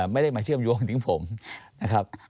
ไม่ได้มาเชื่อมโยงถึงผมนะครับ